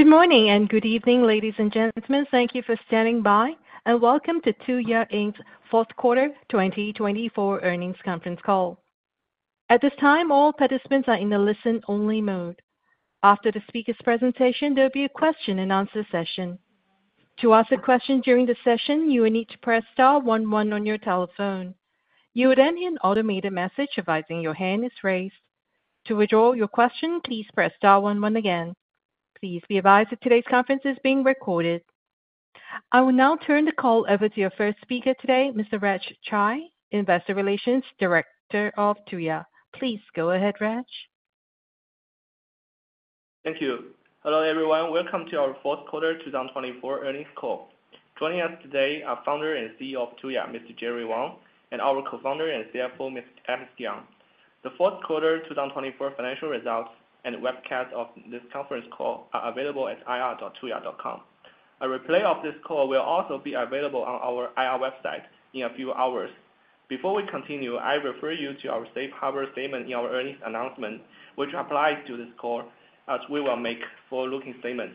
Good morning and good evening, ladies and gentlemen. Thank you for standing by, and welcome to Tuya Inc.'s fourth quarter 2024 earnings conference call. At this time, all participants are in the listen-only mode. After the speaker's presentation, there will be a question-and-answer session. To ask a question during the session, you will need to press Star one one on your telephone. You will then hear an automated message advising your hand is raised. To withdraw your question, please press Star one one again. Please be advised that today's conference is being recorded. I will now turn the call over to your first speaker today, Mr. Reg Chai, Investor Relations Director of Tuya. Please go ahead, Reg. Thank you. Hello, everyone. Welcome to our fourth quarter 2024 earnings call. Joining us today are Founder and CEO of Tuya, Mr. Jerry Wang, and our co-founder and CFO, Ms. Alex Yang. The fourth quarter 2024 financial results and webcast of this conference call are available at ir.tuya.com. A replay of this call will also be available on our IR website in a few hours. Before we continue, I refer you to our safe harbor statement in our earnings announcement, which applies to this call, as we will make forward-looking statements.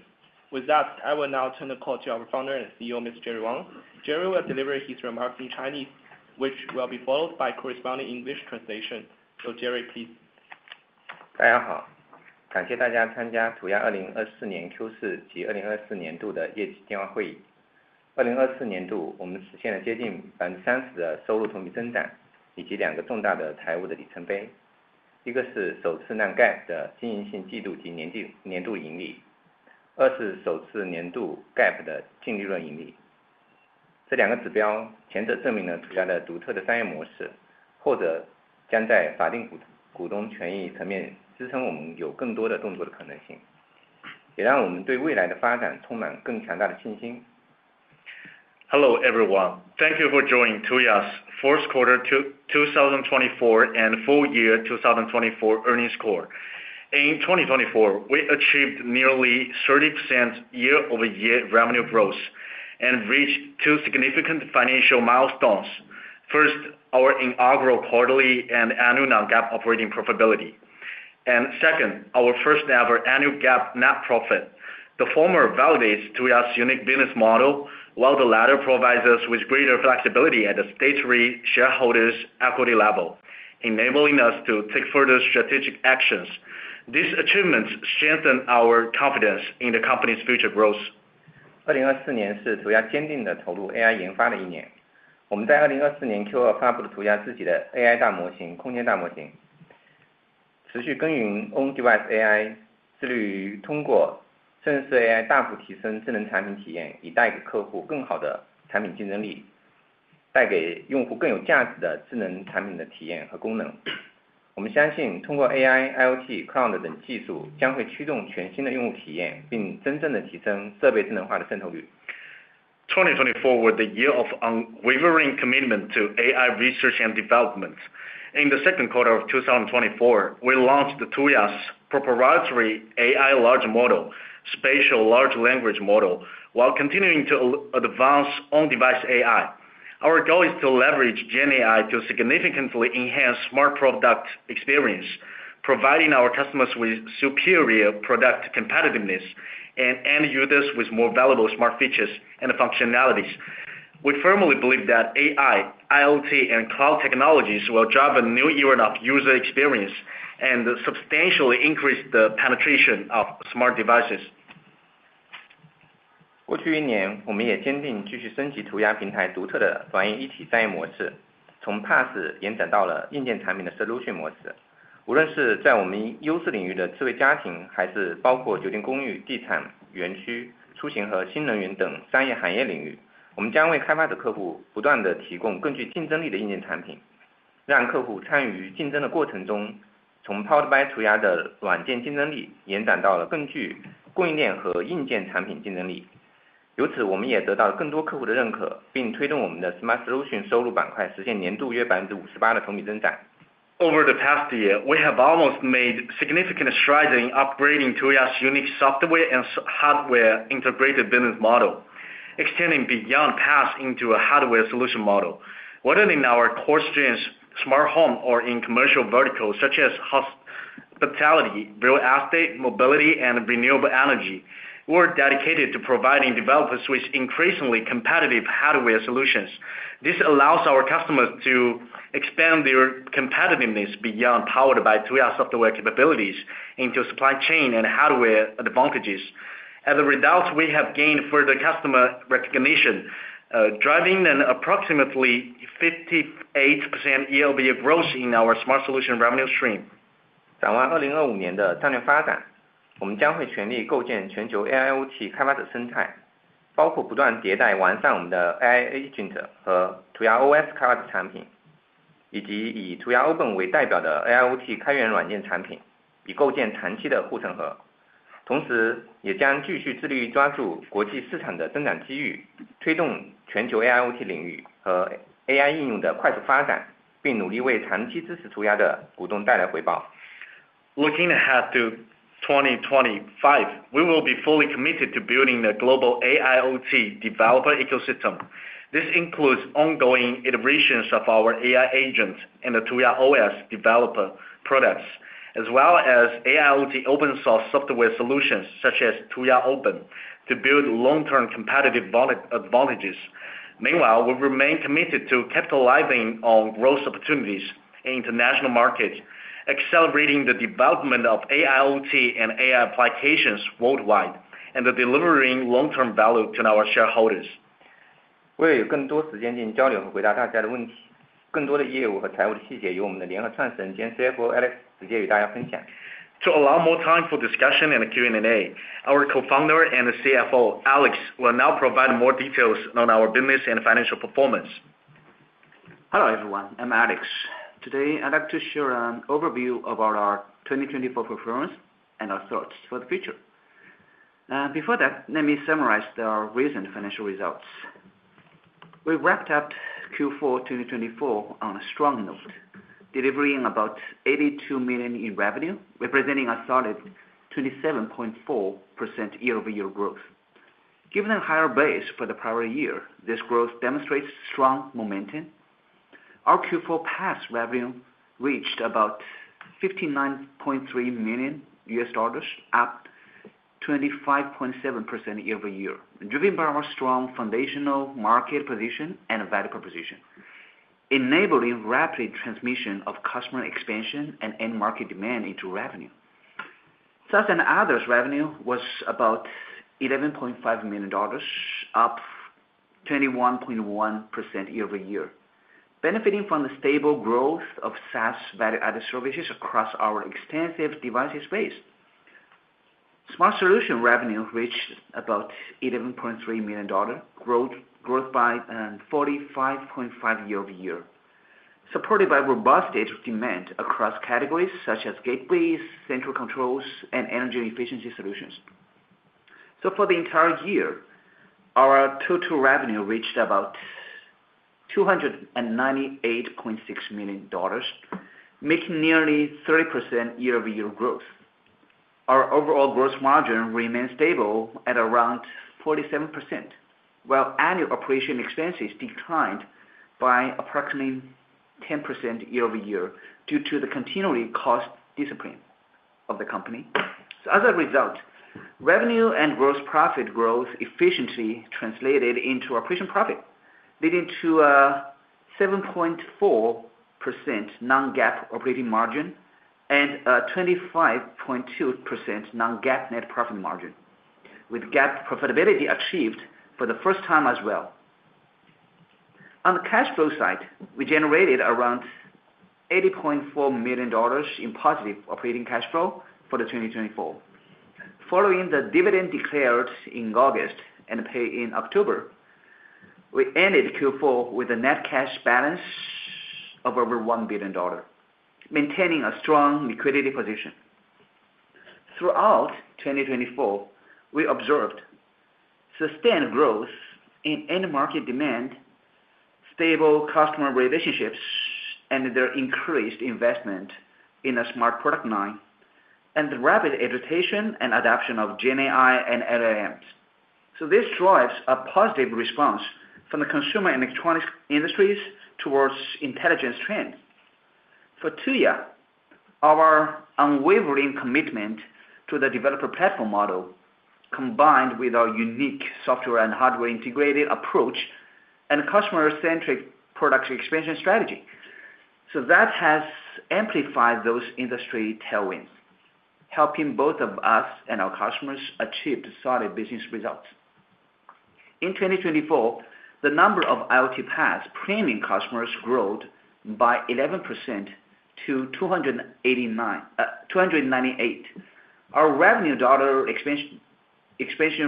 With that, I will now turn the call to our Founder and CEO, Mr. Jerry Wang. Jerry will deliver his remarks in Chinese, which will be followed by corresponding English translation. So, Jerry, please. Hello, everyone. Thank you for joining Tuya's fourth quarter 2024 and full year 2024 earnings call. In 2024, we achieved nearly 30% year-over-year revenue growth and reached two significant financial milestones. First, our inaugural quarterly and annual non-GAAP operating profitability, and second, our first-ever annual GAAP net profit. The former validates Tuya's unique business model, while the latter provides us with greater flexibility at the statutory shareholders' equity level, enabling us to take further strategic actions. These achievements strengthen our confidence in the company's future growth. 2024年是图亚坚定地投入AI研发的一年。我们在2024年Q2发布了图亚自己的AI大模型空间大模型，持续耕耘On-Device AI，致力于通过真实AI大幅提升智能产品体验，以带给客户更好的产品竞争力，带给用户更有价值的智能产品的体验和功能。我们相信通过AI、IoT、Cloud等技术，将会驱动全新的用户体验，并真正地提升设备智能化的渗透率。2024 was the year of unwavering commitment to AI research and development. In the second quarter of 2024, we launched Tuya's proprietary AI large model, Spatial Large Language Model, while continuing to advance On-Device AI. Our goal is to leverage GenAI to significantly enhance smart product experience, providing our customers with superior product competitiveness and end users with more valuable smart features and functionalities. We firmly believe that AI, IoT, and cloud technologies will drive a new era of user experience and substantially increase the penetration of smart devices. 过去一年，我们也坚定继续升级图亚平台独特的软硬一体商业模式，从PaaS延展到了硬件产品的Solution模式。无论是在我们优势领域的智慧家庭，还是包括酒店公寓、地产、园区、出行和新能源等商业行业领域，我们将为开发者客户不断地提供更具竞争力的硬件产品，让客户参与竞争的过程中，从Powered by Tuya的软件竞争力延展到了更具供应链和硬件产品竞争力。由此，我们也得到了更多客户的认可，并推动我们的Smart Solutions收入板块实现年度约58%的同比增长。Over the past year, we have also made significant strides in upgrading Tuya's unique software and hardware integrated business model, extending beyond PaaS into a hardware solution model. Whether in our core strengths, smart home, or in commercial verticals such as hospitality, real estate, mobility, and renewable energy, we're dedicated to providing developers with increasingly competitive hardware solutions. This allows our customers to expand their competitiveness beyond Powered by Tuya software capabilities into supply chain and hardware advantages. As a result, we have gained further customer recognition, driving an approximately 58% YoY growth in our smart solution revenue stream. 展望2025年的战略发展，我们将会全力构建全球AIoT开发者生态，包括不断迭代完善我们的AI Agent和TuyaOS开发者产品，以及以Tuya Open为代表的AIoT开源软件产品，以构建长期的护城河。同时，也将继续致力于抓住国际市场的增长机遇，推动全球AIoT领域和AI应用的快速发展，并努力为长期支持Tuya的股东带来回报。Looking ahead to 2025, we will be fully committed to building the global AIoT developer ecosystem. This includes ongoing iterations of our AI Agent and the TuyaOS developer products, as well as AIoT open-source software solutions such as Tuya Open to build long-term competitive advantages. Meanwhile, we remain committed to capitalizing on growth opportunities in international markets, accelerating the development of AIoT and AI applications worldwide, and delivering long-term value to our shareholders. 为了有更多时间进行交流和回答大家的问题，更多的业务和财务的细节，由我们的联合创始人兼CFO Alex直接与大家分享。To allow more time for discussion and Q&A, our Co-founder and CFO Alex will now provide more details on our business and financial performance. Hello, everyone. I'm Alex. Today, I'd like to share an overview about our 2024 performance and our thoughts for the future. Before that, let me summarize the recent financial results. We wrapped up Q4 2024 on a strong note, delivering about $82 million in revenue, representing a solid 27.4% year-over-year growth. Given the higher base for the prior year, this growth demonstrates strong momentum. Our Q4 PaaS revenue reached about $59.3 million, up 25.7% year-over-year, driven by our strong foundational market position and value proposition, enabling rapid transmission of customer expansion and end market demand into revenue. SaaS and others revenue was about $11.5 million, up 21.1% year-over-year, benefiting from the stable growth of SaaS value-added services across our extensive devices space. Smart Solution revenue reached about $11.3 million, growth by 45.5% year-over-year, supported by robust data demand across categories such as gateways, central controls, and energy efficiency solutions. For the entire year, our total revenue reached about $298.6 million, making nearly 30% year-over-year growth. Our overall gross margin remained stable at around 47%, while annual operating expenses declined by approximately 10% year-over-year due to the continued cost discipline of the company, so as a result, revenue and gross profit growth efficiently translated into operating profit, leading to a 7.4% non-GAAP operating margin and a 25.2% non-GAAP net profit margin, with GAAP profitability achieved for the first time as well. On the cash flow side, we generated around $80.4 million in positive operating cash flow for 2024. Following the dividend declared in August and paid in October, we ended Q4 with a net cash balance of over $1 billion, maintaining a strong liquidity position. Throughout 2024, we observed sustained growth in end market demand, stable customer relationships, and their increased investment in a smart product line, and the rapid adaptation and adoption of GenAI and LLMs, so this drives a positive response from the consumer electronics industries towards intelligence trends. For Tuya, our unwavering commitment to the developer platform model, combined with our unique software and hardware integrated approach, and customer-centric product expansion strategy, so that has amplified those industry tailwinds, helping both of us and our customers achieve solid business results. In 2024, the number of IoT PaaS premium customers growth by 11% to 298. Our revenue dollar expansion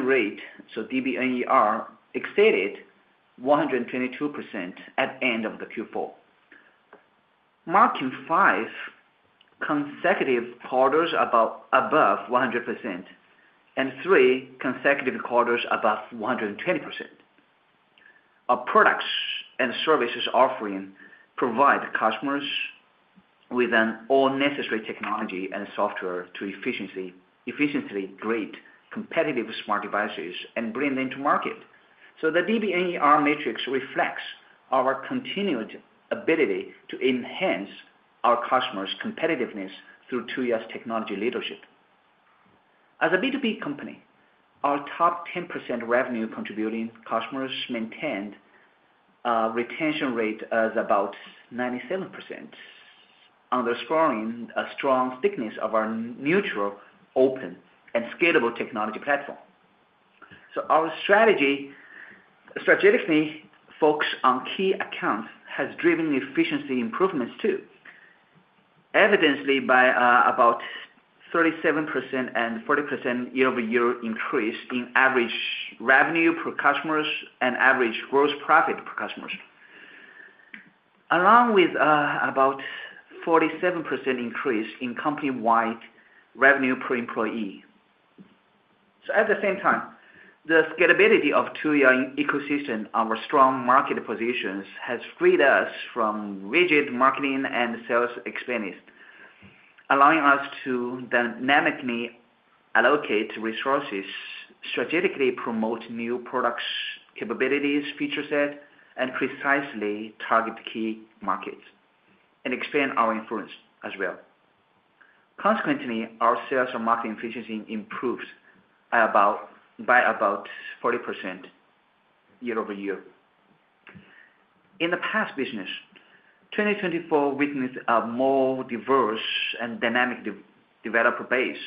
rate, so DBNER, exceeded 122% at the end of the Q4, marking five consecutive quarters above 100% and three consecutive quarters above 120%. Our products and services offering provide customers with all necessary technology and software to efficiently create competitive smart devices and bring them to market. So the DBNER matrix reflects our continued ability to enhance our customers' competitiveness through Tuya's technology leadership. As a B2B company, our top 10% revenue contributing customers maintained a retention rate of about 97%, underscoring a strong thickness of our neutral, open, and scalable technology platform. So our strategically focused on key accounts has driven efficiency improvements too, evidently by about 37% and 40% year-over-year increase in average revenue per customers and average gross profit per customers, along with about 47% increase in company-wide revenue per employee. So at the same time, the scalability of Tuya ecosystem and our strong market positions has freed us from rigid marketing and sales expenses, allowing us to dynamically allocate resources, strategically promote new product capabilities, feature sets, and precisely target key markets and expand our influence as well. Consequently, our sales and marketing efficiency improved by about 40% year-over-year. In the PaaS business, 2024 witnessed a more diverse and dynamic developer base,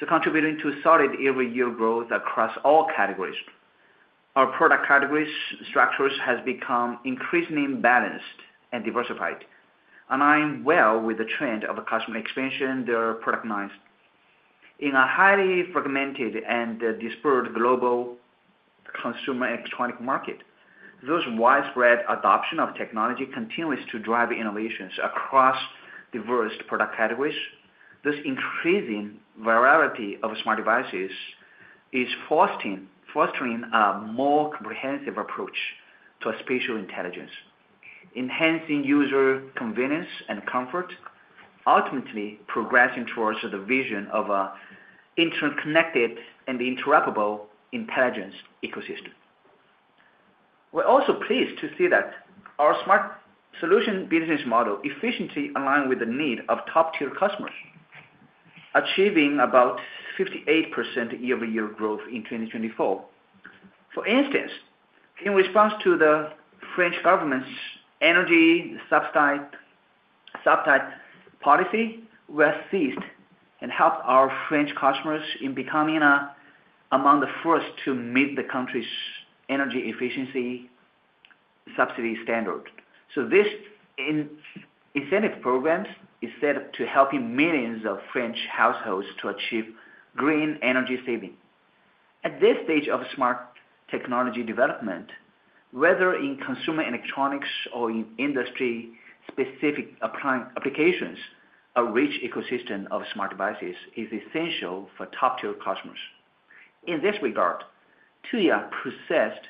so contributing to solid year-over-year growth across all categories. Our product categories structures have become increasingly balanced and diversified, aligned well with the trend of customer expansion, their product lines. In a highly fragmented and dispersed global consumer electronic market, those widespread adoption of technology continues to drive innovations across diverse product categories. This increasing variety of smart devices is fostering a more comprehensive approach to spatial intelligence, enhancing user convenience and comfort, ultimately progressing towards the vision of an interconnected and interoperable intelligence ecosystem. We're also pleased to see that our smart solution business model efficiently aligned with the need of top-tier customers, achieving about 58% year-over-year growth in 2024. For instance, in response to the French government's energy subsidy policy, we assist and help our French customers in becoming among the first to meet the country's energy efficiency subsidy standard. So this incentive program is set up to help millions of French households to achieve green energy saving. At this stage of smart technology development, whether in consumer electronics or in industry-specific applications, a rich ecosystem of smart devices is essential for top-tier customers. In this regard, Tuya possessed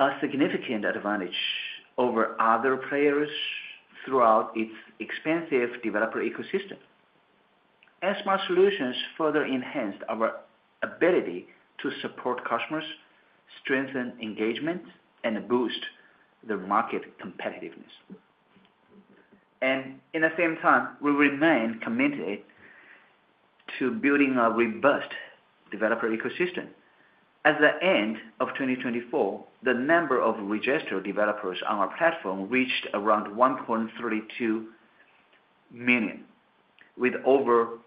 a significant advantage over other players throughout its expansive developer ecosystem. As smart solutions further enhanced our ability to support customers, strengthen engagement, and boost their market competitiveness. At the same time, we remain committed to building a robust developer ecosystem. At the end of 2024, the number of registered developers on our platform reached around 1.32 million, with over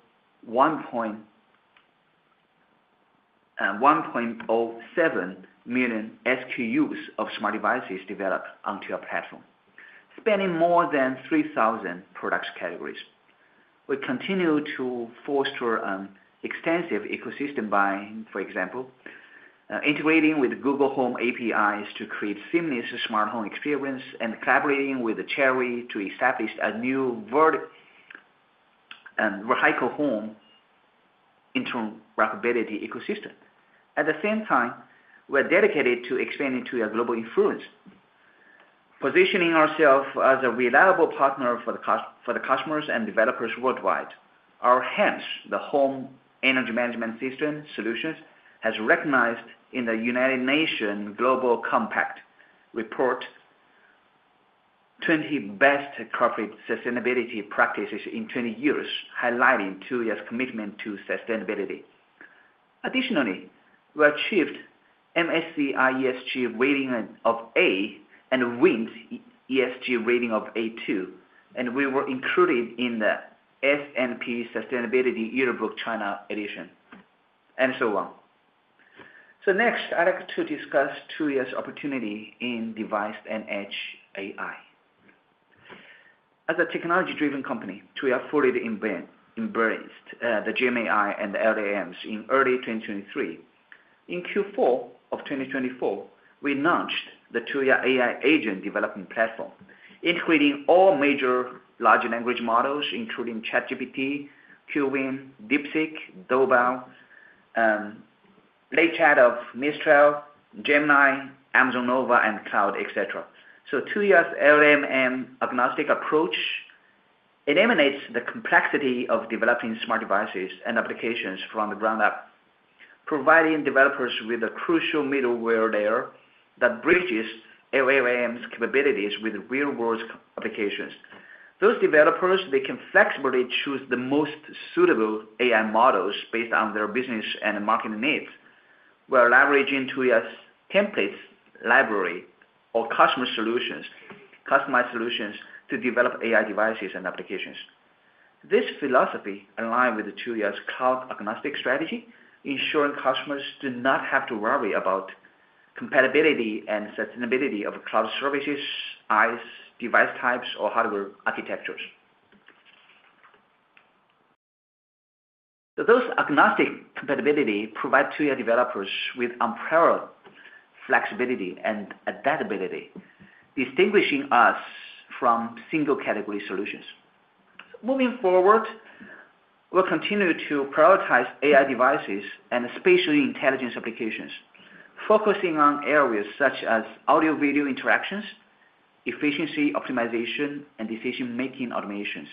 1.07 million SKUs of smart devices developed onto our platform, spanning more than 3,000 product categories. We continue to foster an extensive ecosystem by, for example, integrating with Google Home APIs to create seamless smart home experience and collaborating with Chery to establish a new vertical home interoperability ecosystem. At the same time, we're dedicated to expanding to a global influence, positioning ourselves as a reliable partner for the customers and developers worldwide. Our HEMS, the Home Energy Management System Solutions, has recognized in the United Nations Global Compact report 20 best corporate sustainability practices in 20 years, highlighting Tuya's commitment to sustainability. Additionally, we achieved MSCI ESG rating of A and WIND ESG rating of A2, and we were included in the S&P Sustainability Yearbook China edition, and so on. Next, I'd like to discuss Tuya's opportunity in device and edge AI. As a technology-driven company, Tuya fully embraced the GenAI and LLMs in early 2023. In Q4 of 2024, we launched the Tuya AI Agent development platform, integrating all major large language models, including ChatGPT, Qwen, DeepSeek, Doubao, Le Chat of Mistral, GenAI, Amazon Nova, and Claude, etc. Tuya's LLM agnostic approach eliminates the complexity of developing smart devices and applications from the ground up, providing developers with a crucial middleware layer that bridges LLMs' capabilities with real-world applications. Those developers, they can flexibly choose the most suitable AI models based on their business and market needs. We're leveraging Tuya's templates library or customer solutions, customized solutions to develop AI devices and applications. This philosophy aligns with Tuya's cloud agnostic strategy, ensuring customers do not have to worry about compatibility and sustainability of cloud services, device types, or hardware architectures. So those agnostic compatibility provides Tuya developers with unparalleled flexibility and adaptability, distinguishing us from single category solutions. Moving forward, we'll continue to prioritize AI devices and spatial intelligence applications, focusing on areas such as audio-video interactions, efficiency optimization, and decision-making automations.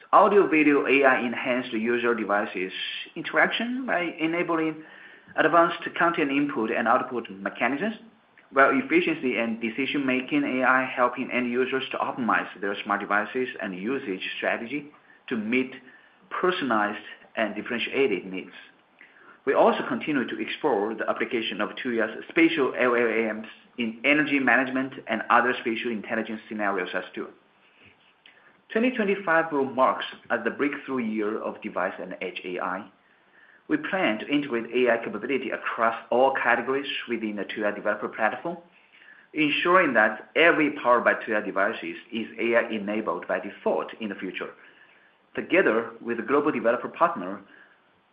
So audio-video AI enhanced user devices interaction by enabling advanced content input and output mechanisms, while efficiency and decision-making AI helping end users to optimize their smart devices and usage strategy to meet personalized and differentiated needs. We also continue to explore the application of Tuya's Spatial LLMs in energy management and other spatial intelligence scenarios as well. 2025 will mark the breakthrough year of device and edge AI. We plan to integrate AI capability across all categories within the Tuya developer platform, ensuring that every Powered by Tuya devices is AI-enabled by default in the future. Together with a global developer partner,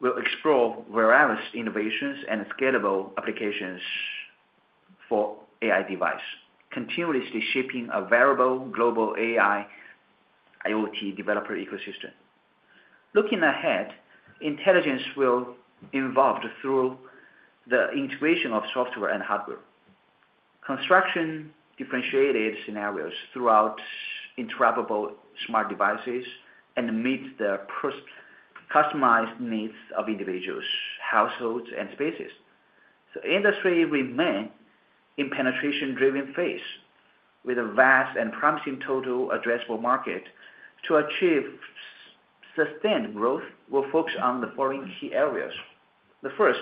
we'll explore various innovations and scalable applications for AI devices, continuously shaping a viable global AI IoT developer ecosystem. Looking ahead, intelligence will evolve through the integration of software and hardware, constructing differentiated scenarios throughout interoperable smart devices and to meet the customized needs of individuals, households, and spaces. The industry remains in a penetration-driven phase with a vast and promising total addressable market to achieve sustained growth. We'll focus on the following key areas. The first,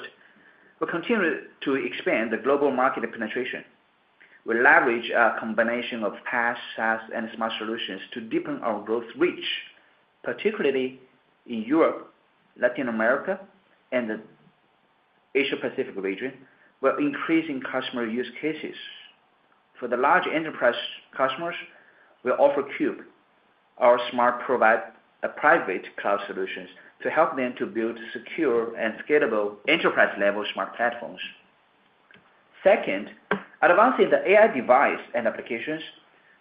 we'll continue to expand the global market penetration. We'll leverage a combination of PaaS, SaaS, and smart solutions to deepen our growth reach, particularly in Europe, Latin America, and the Asia-Pacific region, while increasing customer use cases. For the large enterprise customers, we'll offer Cube, our smart provider, private cloud solutions to help them to build secure and scalable enterprise-level smart platforms. Second, advancing the AI device and applications,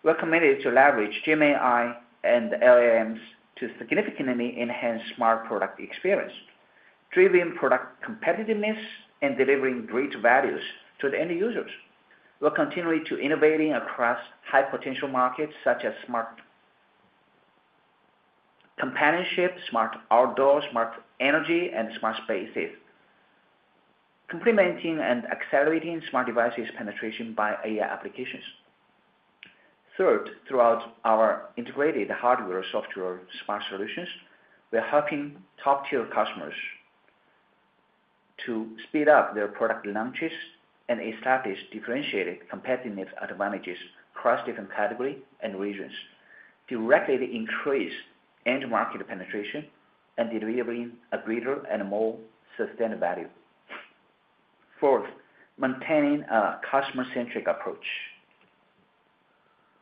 we're committed to leverage Gemini and LLMs to significantly enhance smart product experience, driving product competitiveness and delivering great values to the end users. We're continuing to innovate across high-potential markets such as smart companionship, smart outdoor, smart energy, and smart spaces, complementing and accelerating smart devices penetration by AI applications. Third, throughout our integrated hardware-software smart solutions, we're helping top-tier customers to speed up their product launches and establish differentiated competitive advantages across different categories and regions, directly increasing end-market penetration and delivering a greater and more sustained value. Fourth, maintaining a customer-centric approach.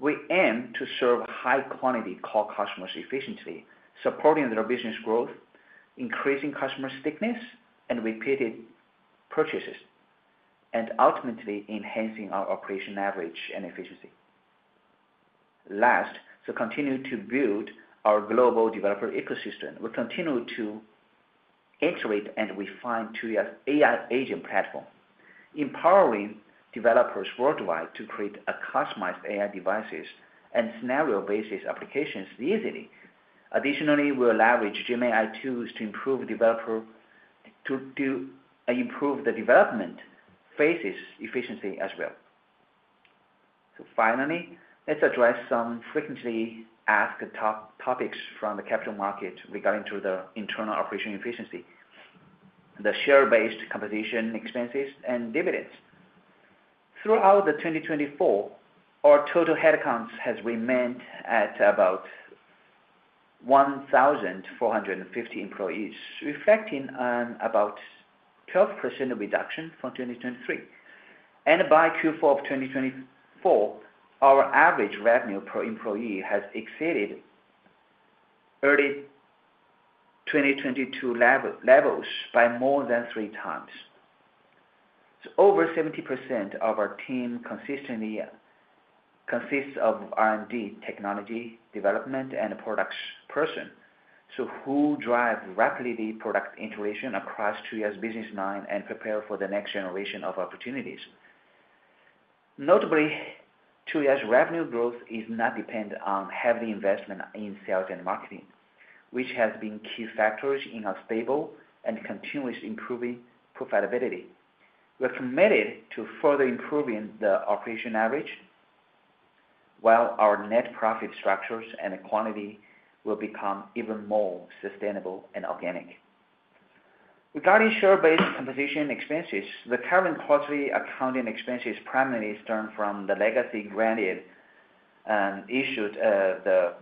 We aim to serve high-quality core customers efficiently, supporting their business growth, increasing customer stickiness and repeated purchases, and ultimately enhancing our operating leverage and efficiency. Last, to continue to build our global developer ecosystem, we continue to integrate and refine Tuya's AI Agent platform, empowering developers worldwide to create customized AI devices and scenario-based applications easily. Additionally, we'll leverage GenAI tools to improve the development phases efficiently as well. So finally, let's address some frequently asked topics from the capital market regarding the internal operation efficiency, the share-based compensation, expenses, and dividends. Throughout 2024, our total headcount has remained at about 1,450 employees, reflecting about a 12% reduction from 2023. And by Q4 of 2024, our average revenue per employee has exceeded early 2022 levels by more than three times. So over 70% of our team consists of R&D technology development and a products person, so who drives rapidly product integration across Tuya's business line and prepares for the next generation of opportunities. Notably, Tuya's revenue growth is not dependent on heavy investment in sales and marketing, which has been key factors in our stable and continuously improving profitability. We're committed to further improving the operating leverage while our net profit structures and quality will become even more sustainable and organic. Regarding share-based compensation expenses, the current costly accounting expenses primarily stem from the legacy grant issued to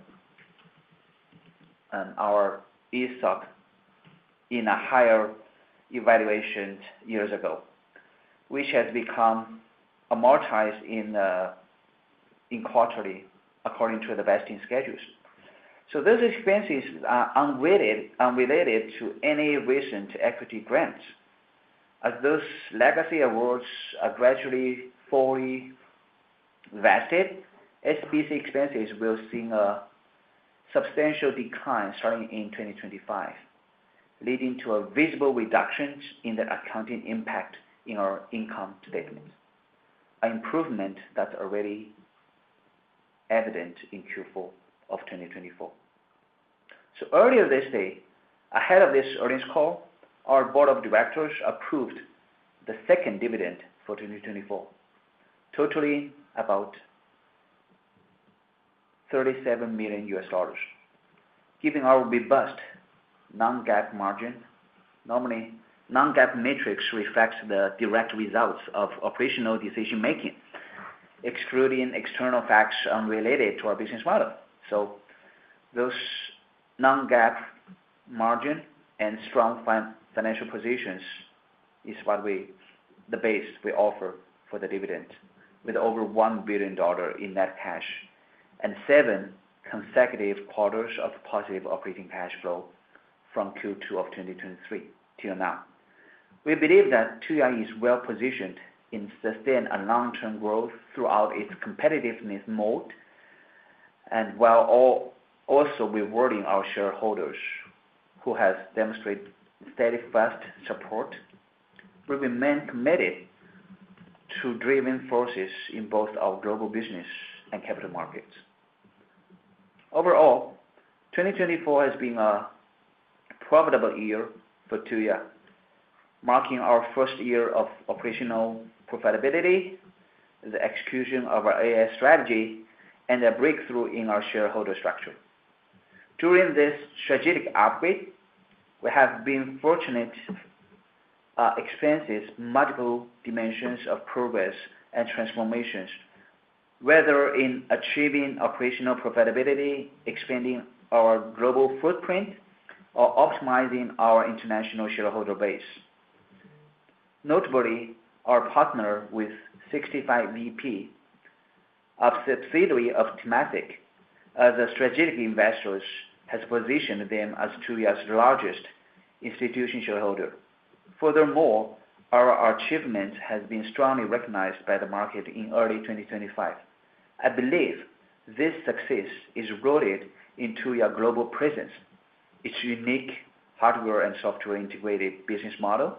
our ESOP in a higher valuation years ago, which has been amortized quarterly according to the vesting schedules. So those expenses are unrelated to any recent equity grants. As those legacy awards are gradually fully vested, SBC expenses will see a substantial decline starting in 2025, leading to a visible reduction in the accounting impact in our income statements, an improvement that's already evident in Q4 of 2024. So earlier today, ahead of this earnings call, our board of directors approved the second dividend for 2024, totaling about $37 million, given our robust non-GAAP margin. Normally, non-GAAP metrics reflect the direct results of operational decision-making, excluding external factors unrelated to our business model. So those non-GAAP margin and strong financial positions is the base we offer for the dividend, with over $1 billion in net cash and seven consecutive quarters of positive operating cash flow from Q2 of 2023 till now. We believe that Tuya is well-positioned in sustaining a long-term growth throughout its competitiveness mode and while also rewarding our shareholders who have demonstrated steadfast support. We remain committed to driving forces in both our global business and capital markets. Overall, 2024 has been a profitable year for Tuya, marking our first year of operational profitability, the execution of our AI strategy, and a breakthrough in our shareholder structure. During this strategic update, we have been fortunate to experience multiple dimensions of progress and transformations, whether in achieving operational profitability, expanding our global footprint, or optimizing our international shareholder base. Notably, our partnership with 65VP, a subsidiary of Temasek, as a strategic investor has positioned them as Tuya's largest institutional shareholder. Furthermore, our achievement has been strongly recognized by the market in early 2025. I believe this success is rooted in Tuya's global presence, its unique hardware and software-integrated business model,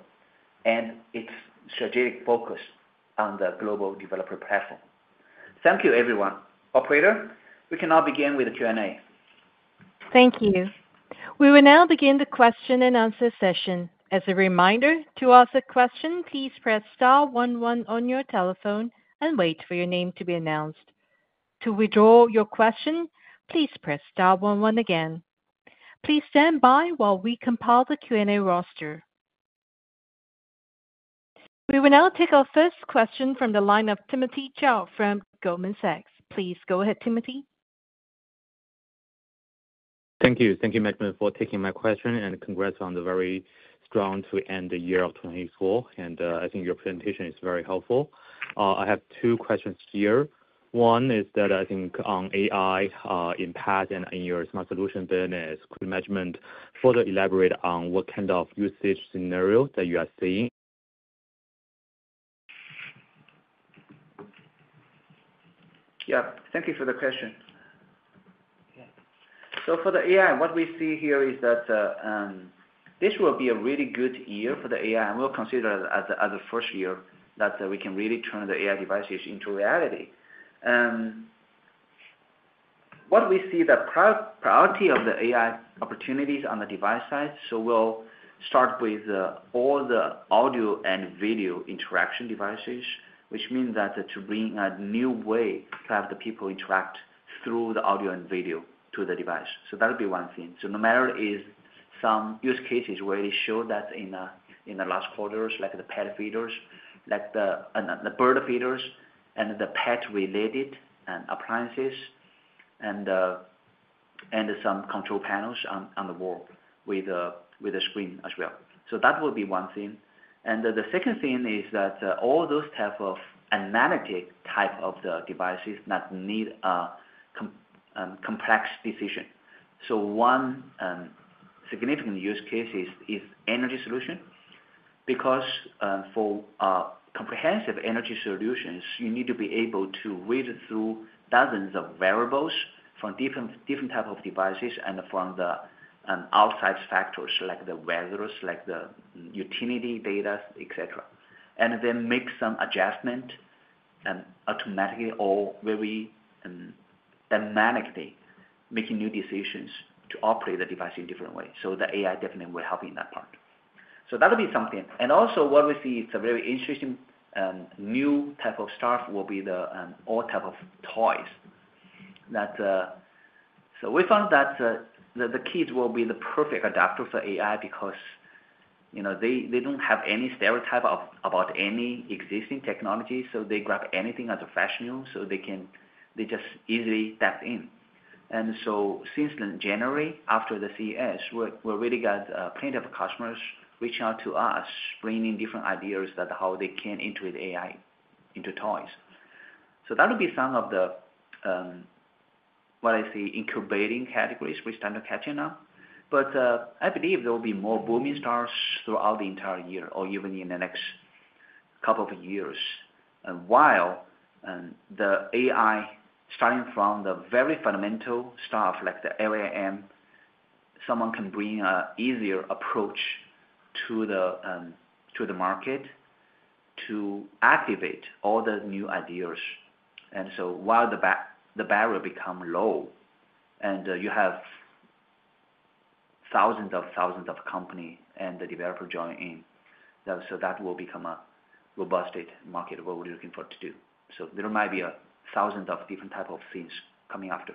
and its strategic focus on the global developer platform. Thank you, everyone. Operator, we can now begin with Q&A. Thank you. We will now begin the question and answer session. As a reminder, to ask a question, please press Star one one on your telephone and wait for your name to be announced. To withdraw your question, please press Star one one again. Please stand by while we compile the Q&A roster. We will now take our first question from the line of Timothy Chow from Goldman Sachs. Please go ahead, Timothy. Thank you. Thank you, management, for taking my question and congrats on the very strong to end the year of 2024, and I think your presentation is very helpful. I have two questions here. One is that I think on AI impact and in your smart solution business, could management further elaborate on what kind of usage scenario that you are seeing? Yeah. Thank you for the question. So for the AI, what we see here is that this will be a really good year for the AI, and we'll consider it as the first year that we can really turn the AI devices into reality. What we see is the priority of the AI opportunities on the device side. So we'll start with all the audio and video interaction devices, which means that to bring a new way to have the people interact through the audio and video to the device. So that would be one thing. So no matter if some use cases where they show that in the last quarters, like the pet feeders, like the bird feeders, and the pet-related appliances, and some control panels on the wall with a screen as well. So that will be one thing. And the second thing is that all those types of analytic type of the devices that need a complex decision. So one significant use case is energy solution because for comprehensive energy solutions, you need to be able to read through dozens of variables from different types of devices and from the outside factors like the weather, like the utility data, etc., and then make some adjustment automatically or very dynamically, making new decisions to operate the device in a different way. So the AI definitely will help in that part. So that will be something. And also, what we see is a very interesting new type of stuff will be all types of toys. So we found that the kids will be the perfect adopter for AI because they don't have any stereotype about any existing technology, so they grab anything as a fresh new, so they can just easily tap in. And so since January, after the CES, we really got plenty of customers reaching out to us, bringing different ideas about how they can integrate AI into toys. So that will be some of, what I see, incubating categories we're starting to catch in now. But I believe there will be more booming stars throughout the entire year or even in the next couple of years. While the AI, starting from the very fundamental stuff like the LLM, someone can bring an easier approach to the market to activate all the new ideas. And so while the barrier becomes low and you have thousands of thousands of companies and the developer joining in, so that will become a robust market we're looking forward to. So there might be thousands of different types of things coming after.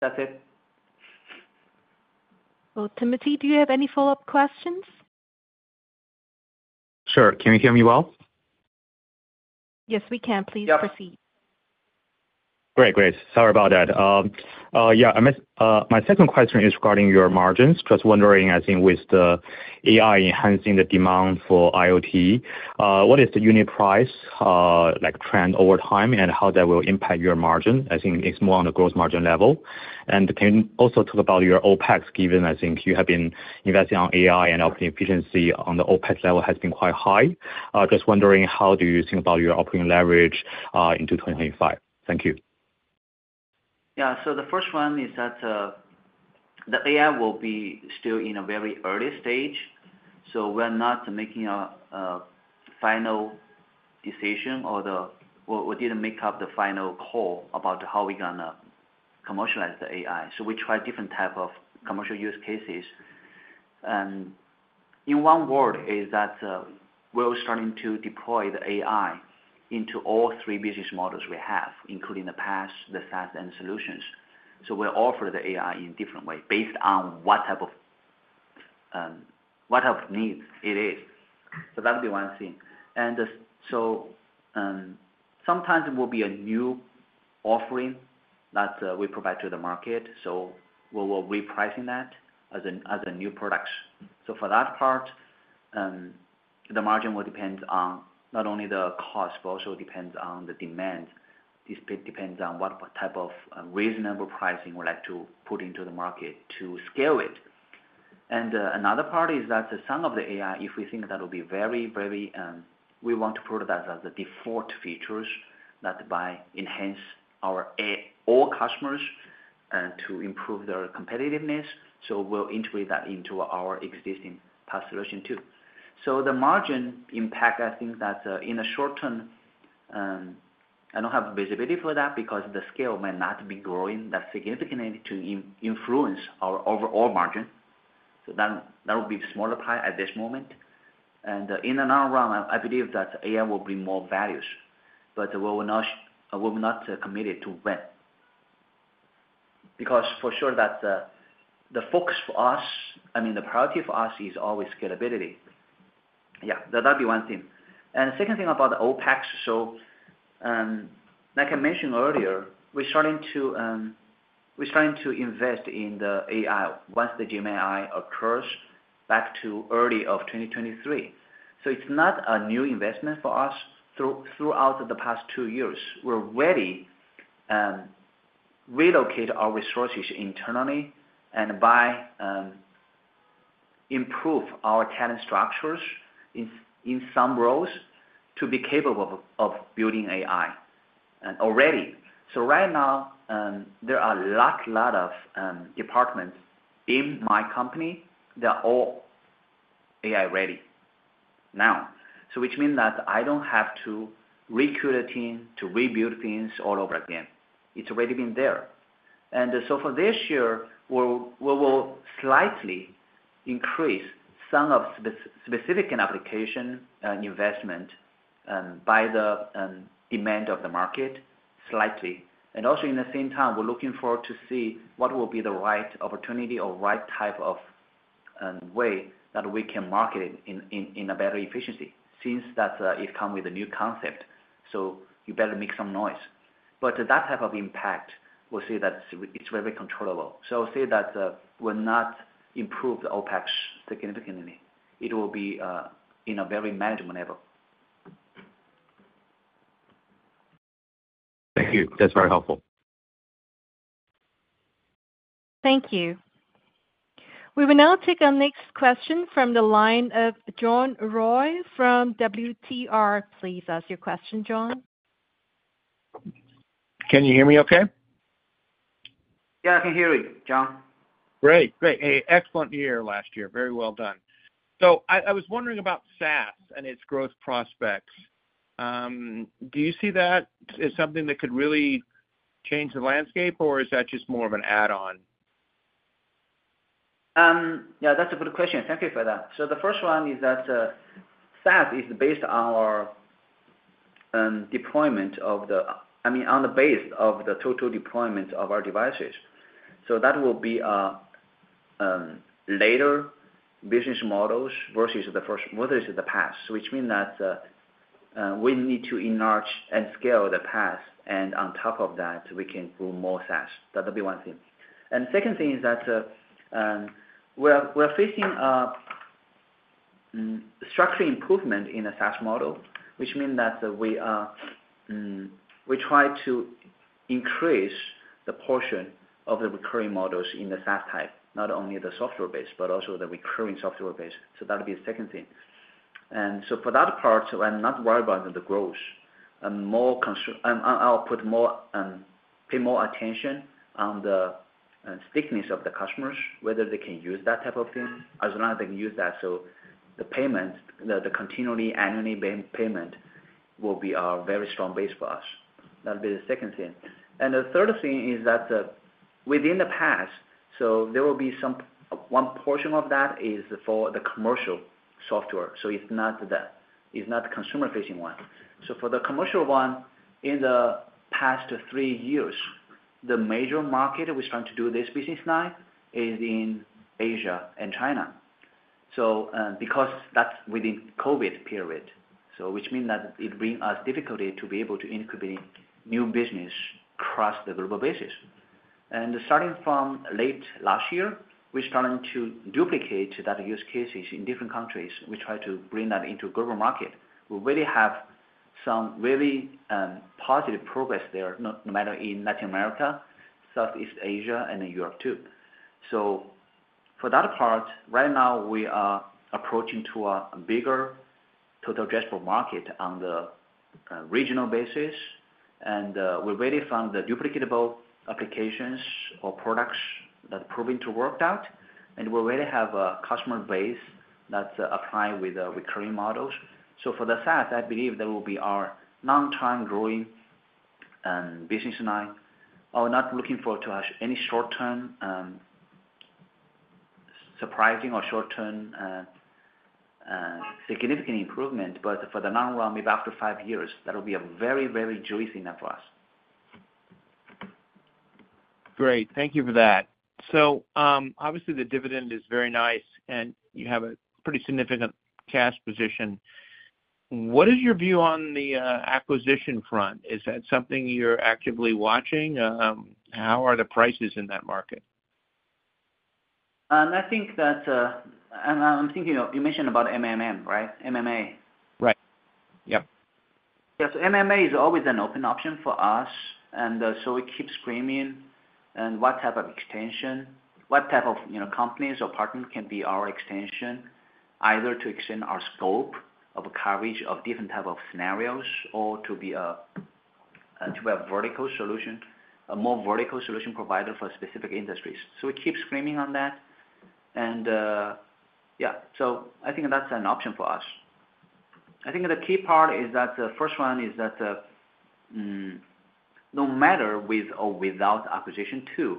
That's it. Well, Timothy, do you have any follow-up questions? Sure. Can you hear me well? Yes, we can. Please proceed. Yeah. Great, great. Sorry about that. Yeah. My second question is regarding your margins. Just wondering, I think, with the AI enhancing the demand for IoT, what is the unit price trend over time and how that will impact your margin? I think it's more on the gross margin level. Can you also talk about your OpEx, given I think you have been investing on AI and operating efficiency on the OpEx level has been quite high? Just wondering, how do you think about your operating leverage into 2025? Thank you. Yeah. So the first one is that the AI will be still in a very early stage. So we're not making a final decision or we didn't make the final call about how we're going to commercialize the AI. So we try different types of commercial use cases. In one word, is that we're starting to deploy the AI into all three business models we have, including the PaaS, the SaaS, and solutions. So we'll offer the AI in a different way based on what type of needs it is. So that would be one thing. And so sometimes it will be a new offering that we provide to the market. So we will repricing that as a new product. So for that part, the margin will depend on not only the cost, but also depends on the demand. This depends on what type of reasonable pricing we'd like to put into the market to scale it. And another part is that some of the AI, if we think that will be very, very we want to put that as the default features that might enhance our customers to improve their competitiveness. So we'll integrate that into our existing PaaS solution too. So the margin impact, I think that in the short term, I don't have visibility for that because the scale might not be growing that significantly to influence our overall margin. So that will be a smaller pie at this moment. In and around, I believe that AI will bring more value, but we're not committed to when because for sure the focus for us, I mean, the priority for us is always scalability. Yeah. So that'd be one thing. And the second thing about the OpEx, so like I mentioned earlier, we're starting to invest in AI once the Gemini came out back in early 2023. So it's not a new investment for us. Throughout the past two years, we've already relocated our resources internally and improved our talent structures in some roles to be capable of building AI already. So right now, there are a lot of departments in my company that are all AI-ready now, which means that I don't have to recruit a team to rebuild things all over again. It's already been there. And so for this year, we will slightly increase some of the specific application investment by the demand of the market slightly. And also in the same time, we're looking forward to see what will be the right opportunity or right type of way that we can market it in a better efficiency since it comes with a new concept. So you better make some noise. But that type of impact, we'll see that it's very controllable. So I'll say that we'll not improve the OpEx significantly. It will be in a very management level. Thank you. That's very helpful. Thank you. We will now take our next question from the line of John Roy from WTR. Please ask your question, John. Can you hear me okay? Yeah, I can hear you, John. Great, great. Excellent year last year. Very well done. So I was wondering about SaaS and its growth prospects. Do you see that as something that could really change the landscape, or is that just more of an add-on? Yeah, that's a good question. Thank you for that. So the first one is that SaaS is based on our deployment of the, I mean, on the base of the total deployment of our devices. So that will be later business models versus the first, versus the PaaS, which means that we need to enlarge and scale the PaaS. And on top of that, we can do more SaaS. That would be one thing. And the second thing is that we're facing structural improvement in the SaaS model, which means that we try to increase the portion of the recurring models in the SaaS type, not only the software base, but also the recurring software base. That would be the second thing. And so for that part, I'm not worried about the growth. I'll pay more attention to the stickiness of the customers, whether they can use that type of thing as long as they can use that. So the payment, the continuing annual payment will be a very strong base for us. That would be the second thing. And the third thing is that within the PaaS, so there will be one portion of that is for the commercial software. So it's not the consumer-facing one. So for the commercial one, in the past three years, the major market we're trying to do this business now is in Asia and China. So because that's within COVID period, which means that it brings us difficulty to be able to incubate new business across the global basis. Starting from late last year, we're starting to duplicate that use cases in different countries. We try to bring that into the global market. We really have some really positive progress there, no matter in Latin America, Southeast Asia, and Europe too. For that part, right now, we are approaching to a bigger total addressable market on the regional basis. We really found the duplicatable applications or products that are proving to work out. We already have a customer base that's applying with the recurring models. For the SaaS, I believe there will be our long-term growing business line. I'm not looking forward to any short-term surprising or short-term significant improvement. For the long run, maybe after five years, that will be a very, very juicy number for us. Great. Thank you for that. So obviously, the dividend is very nice, and you have a pretty significant cash position. What is your view on the acquisition front? Is that something you're actively watching? How are the prices in that market? M&A? Right. Yep. Yes. M&A is always an open option for us. And so we keep screening on what type of extension, what type of companies or partners can be our extension, either to extend our scope of coverage of different types of scenarios or to be a vertical solution, a more vertical solution provider for specific industries. So we keep screening on that. And yeah. So I think that's an option for us. I think the key part is that the first one is that no matter with or without acquisition too,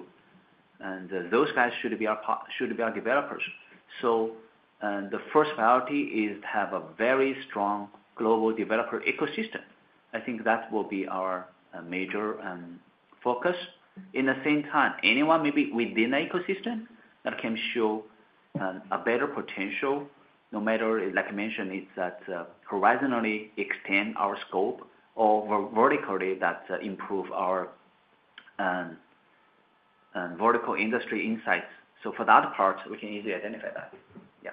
those guys should be our developers. So the first priority is to have a very strong global developer ecosystem. I think that will be our major focus. In the same time, anyone may be within an ecosystem that can show a better potential, no matter, like I mentioned, it's that horizontally extend our scope or vertically that improve our vertical industry insights. So for that part, we can easily identify that. Yeah.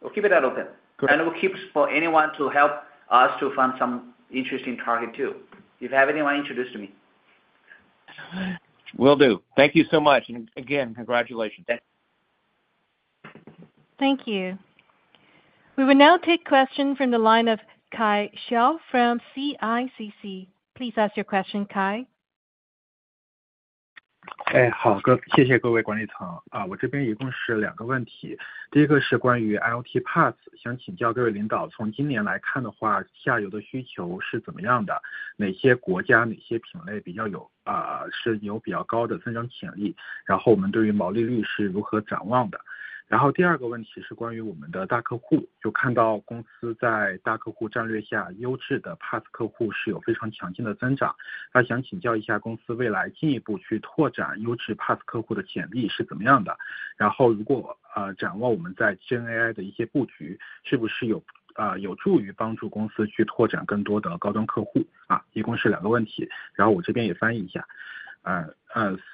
We'll keep it that open. And we'll keep for anyone to help us to find some interesting target too. If you have anyone introduce to me. Will do. Thank you so much. And again, congratulations. Thank you. We will now take questions from the line of Kai Xiao from CICC. Please ask your question, Kai. 好的，谢谢各位管理层。我这边一共是两个问题。第一个是关于IoT PaaS，想请教各位领导，从今年来看的话，下游的需求是怎么样的？哪些国家，哪些品类比较有，是有比较高的增长潜力？然后我们对于毛利率是如何展望的？然后第二个问题是关于我们的大客户。就看到公司在大客户战略下优质的PaaS客户是有非常强劲的增长。那想请教一下公司未来进一步去拓展优质PaaS客户的潜力是怎么样的？然后如果展望我们在GenAI的一些布局，是不是有助于帮助公司去拓展更多的高端客户？一共是两个问题，然后我这边也翻译一下.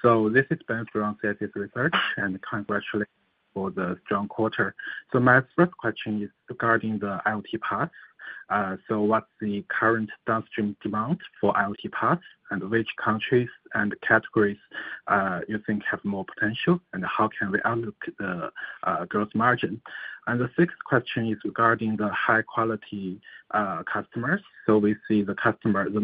So this is Ben from CICC Research, and congratulations for the strong quarter. So my first question is regarding the IoT PaaS. So what's the current downstream demand for IoT PaaS, and which countries and categories you think have more potential, and how can we unlock the gross margin? And the sixth question is regarding the high-quality customers. So we see the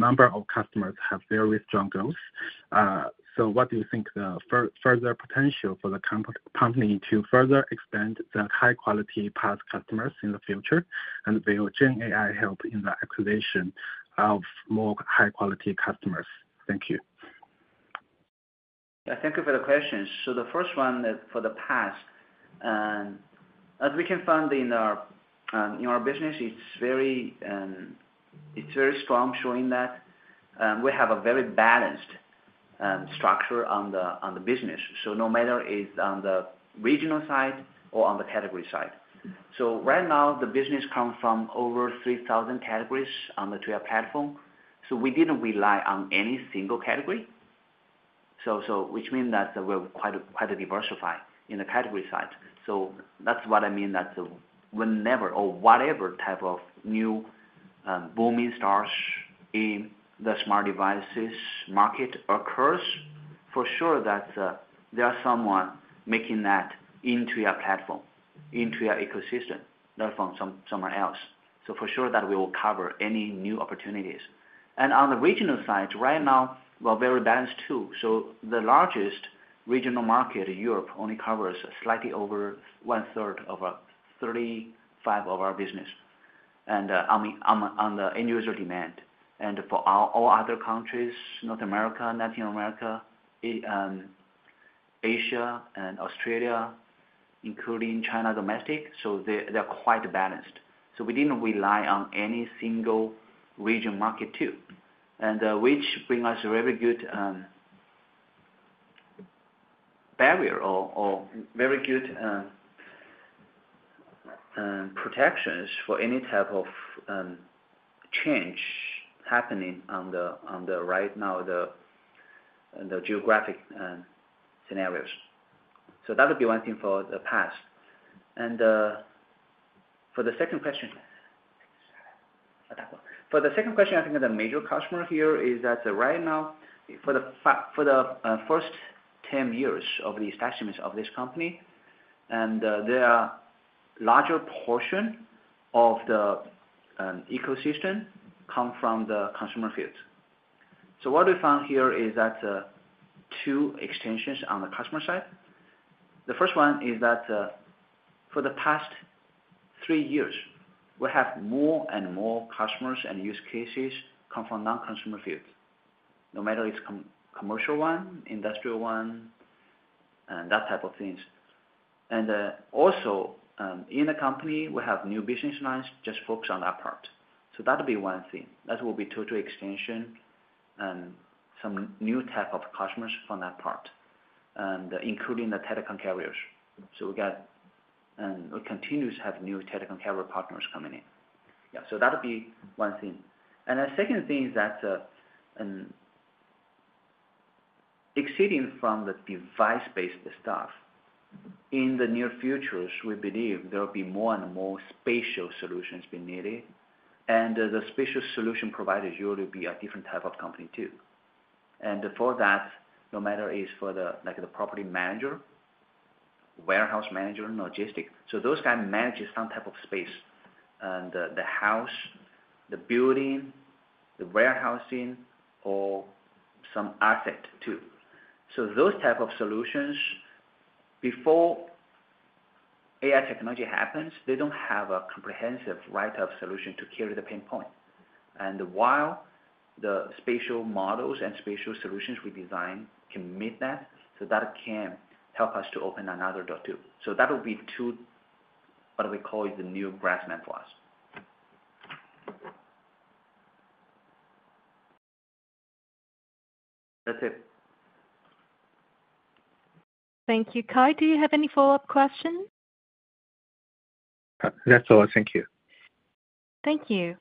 number of customers have very strong growth. So what do you think the further potential for the company to further expand the high-quality PaaS customers in the future, and will GenAI help in the acquisition of more high-quality customers? Thank you. Yeah. Thank you for the questions. So the first one for the PaaS, as we can find in our business, it's very strong showing that we have a very balanced structure on the business. So no matter it's on the regional side or on the category side. So right now, the business comes from over 3,000 categories on the Tuya platform. We didn't rely on any single category, which means that we're quite diversified in the category side. That's what I mean that whenever or whatever type of new booming stars in the smart devices market occurs, for sure that there are someone making that into our platform, into our ecosystem, not from somewhere else. For sure that we will cover any new opportunities. On the regional side, right now, we're very balanced too. The largest regional market in Europe only covers slightly over one-third of 35% of our business, and I'm on the end-user demand. For all other countries, North America, Latin America, Asia, and Australia, including China domestic, so they're quite balanced. So we didn't rely on any single region market too, which brings us a very good barrier or very good protections for any type of change happening right now in the geographic scenarios. So that would be one thing for the PaaS. And for the second question, I think the major customer here is that right now, for the first 10 years of the establishment of this company, and the larger portion of the ecosystem comes from the consumer fields. So what we found here is that two extensions on the customer side. The first one is that for the past three years, we have more and more customers and use cases come from non-consumer fields, no matter it's a commercial one, industrial one, and that type of things. And also, in the company, we have new business lines just focused on that part. So that would be one thing. That will be total extension, some new type of customers from that part, including the telecom carriers. So we continue to have new telecom carrier partners coming in. Yeah. So that would be one thing. And the second thing is that exceeding from the device-based stuff, in the near future, we believe there will be more and more spatial solutions being needed. And the spatial solution providers usually will be a different type of company too. And for that, no matter it's for the property manager, warehouse manager, logistics. So those guys manage some type of space, the house, the building, the warehousing, or some asset too. So those types of solutions, before AI technology happens, they don't have a comprehensive write-up solution to carry the pain point. And while the spatial models and spatial solutions we design can meet that, so that can help us to open another door too. So that will be two, what we call the new grass man for us. That's it. Thank you. Kai, do you have any follow-up questions? That's all. Thank you. Thank you.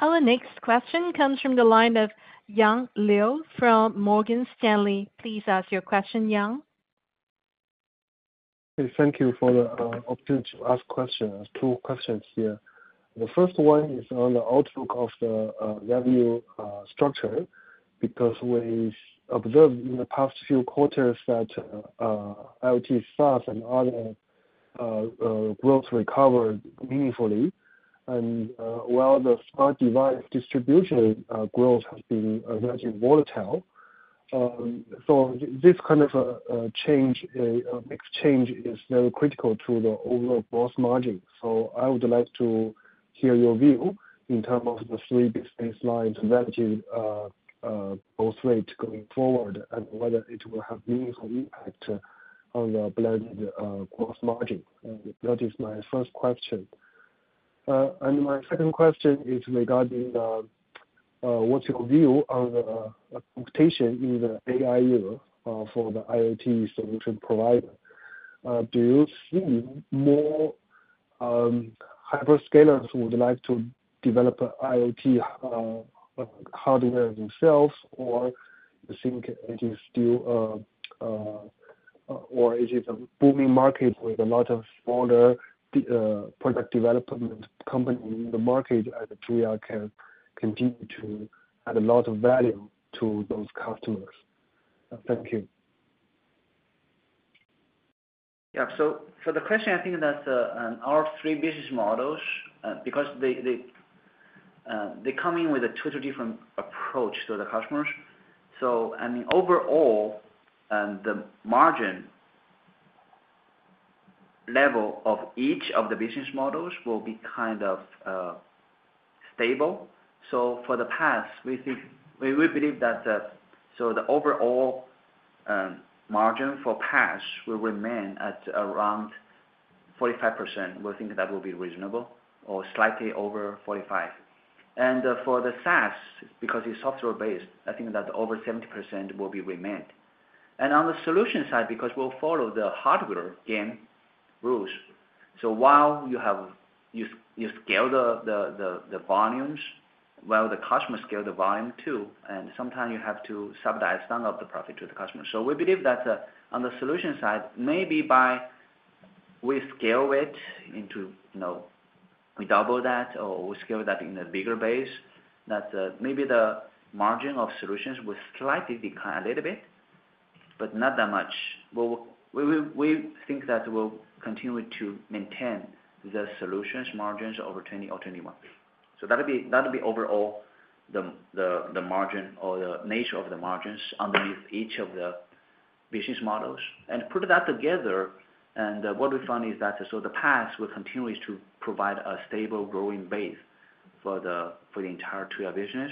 Our next question comes from the line of Yang Liu from Morgan Stanley. Please ask your question, Yang. Okay. Thank you for the opportunity to ask questions. Two questions here. The first one is on the outlook of the revenue structure because we observed in the past few quarters that IoT SaaS and other growth recovered meaningfully. And while the smart device distribution growth has been relatively volatile, so this kind of change, a mixed change, is very critical to the overall gross margin. So I would like to hear your view in terms of the three business lines relative growth rate going forward and whether it will have meaningful impact on the blended gross margin. That is my first question. And my second question is regarding what's your view on the expectation in the AI era for the IoT solution provider? Do you see more hyperscalers who would like to develop IoT hardware themselves, or do you think it is still, or is it a booming market with a lot of smaller product development companies in the market, and Tuya can continue to add a lot of value to those customers? Thank you. Yeah. So for the question, I think that's our three business models because they come in with a totally different approach to the customers. So I mean, overall, the margin level of each of the business models will be kind of stable. So for the PaaS, we believe that the overall margin for PaaS will remain at around 45%. We think that will be reasonable or slightly over 45%. And for the SaaS, because it's software-based, I think that over 70% will be remained. And on the solution side, because we'll follow the hardware game rules. So while you scale the volumes, while the customer scales the volume too, and sometimes you have to subdivide some of the profit to the customer. So we believe that on the solution side, maybe by we scale it into we double that or we scale that in a bigger base, that maybe the margin of solutions will slightly decline a little bit, but not that much. We think that we'll continue to maintain the solutions margins over 20% or 21%. So that would be overall the margin or the nature of the margins underneath each of the business models. And put that together, and what we found is that so the PaaS will continue to provide a stable growing base for the entire Tuya business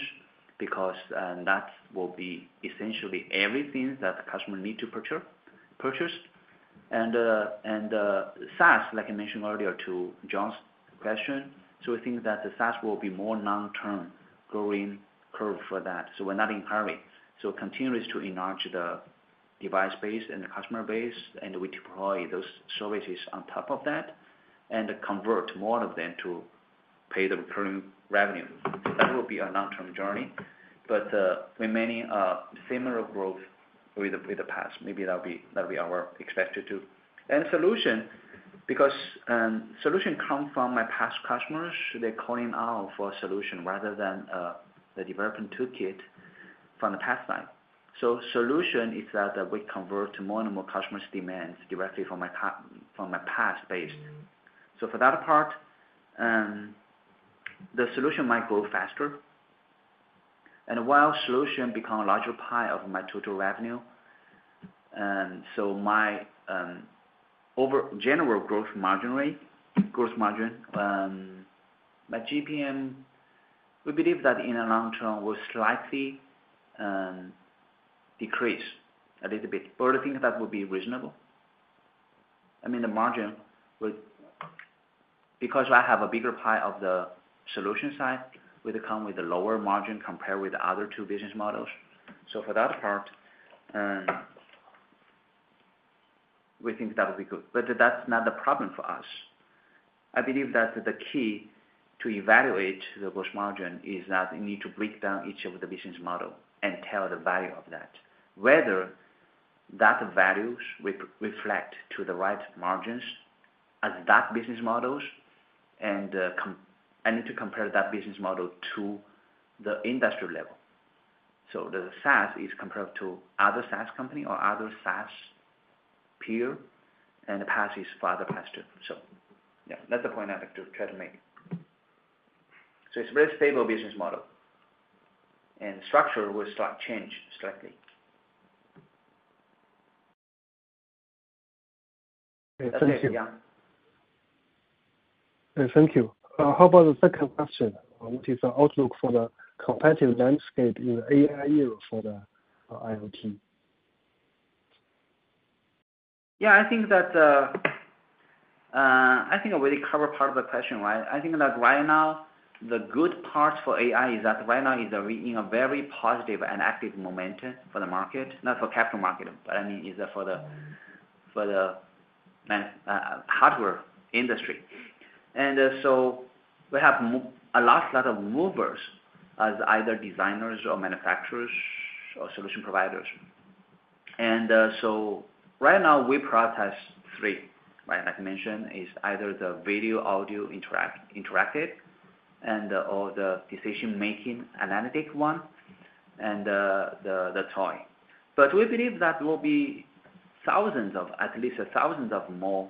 because that will be essentially everything that the customer needs to purchase. And SaaS, like I mentioned earlier to John's question, so we think that the SaaS will be more long-term growing curve for that. So we're not inquiring. So continue to enlarge the device base and the customer base, and we deploy those services on top of that and convert more of them to pay the recurring revenue. That will be a long-term journey, but remaining similar growth with the PaaS. Maybe that'll be our expectation too. And solution, because solution comes from my past customers. They're calling out for a solution rather than the development toolkit from the PaaS side. So solution is that we convert more and more customers' demands directly from my PaaS base. So for that part, the solution might grow faster. And while solution becomes a larger pie of my total revenue, so my general growth margin, my GPM, we believe that in the long term will slightly decrease a little bit. But I think that will be reasonable. I mean, the margin will, because I have a bigger pie of the solution side, we come with a lower margin compared with the other two business models. So for that part, we think that will be good. But that's not the problem for us. I believe that the key to evaluate the gross margin is that you need to break down each of the business models and tell the value of that, whether that values reflect to the right margins as that business models. And I need to compare that business model to the industry level. So the SaaS is compared to other SaaS company or other SaaS peer, and the PaaS is farther past it. So yeah, that's the point I'd like to try to make. So it's a very stable business model, and structure will start to change slightly. Thank you. Thank you. How about the second question? What is the outlook for the competitive landscape in the AI era for the IoT? Yeah. I think that we covered part of the question, right? I think that right now, the good part for AI is that right now is in a very positive and active momentum for the market, not for capital market, but I mean, is for the hardware industry, so we have a lot of movers as either designers or manufacturers or solution providers, and so right now, we prioritize three, right, like I mentioned, either the video, audio, interactive, and/or the decision-making analytic one, and the IoT, but we believe that there will be thousands of, at least thousands of more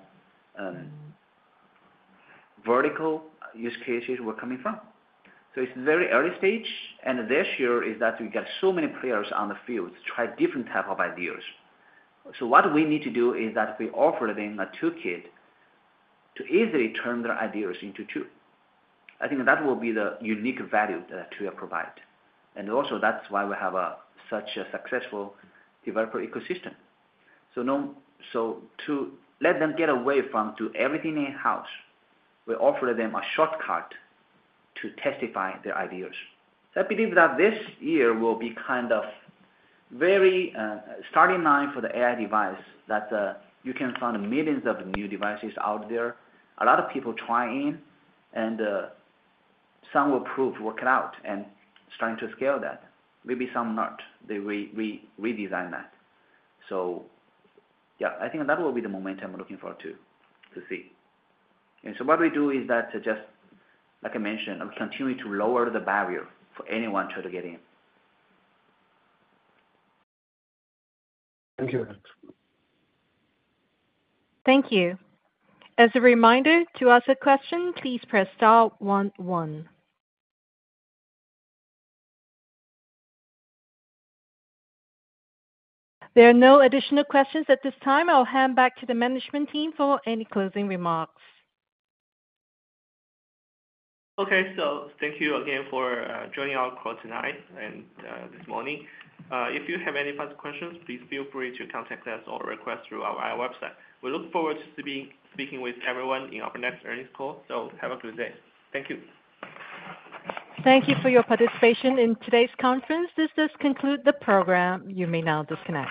vertical use cases we're coming from, so it's very early stage, and this year is that we got so many players on the field to try different types of ideas, so what we need to do is that we offer them a toolkit to easily turn their ideas into tools. I think that will be the unique value that Tuya provides, and also that's why we have such a successful developer ecosystem, so to let them get away from doing everything in-house, we offer them a shortcut to test their ideas, so I believe that this year will be kind of very starting line for the AI device that you can find millions of new devices out there. A lot of people trying, and some will prove to work it out and starting to scale that. Maybe some not. They redesign that, so yeah, I think that will be the momentum we're looking forward to see, and so what we do is that just, like I mentioned, we continue to lower the barrier for anyone trying to get in. Thank you. Thank you. As a reminder, to ask a question, please press star 11. There are no additional questions at this time. I'll hand back to the management team for any closing remarks. Okay, so thank you again for joining our call tonight and this morning. If you have any further questions, please feel free to contact us or request through our website. We look forward to speaking with everyone in our next earnings call, so have a good day. Thank you. Thank you for your participation in today's conference. This does conclude the program. You may now disconnect.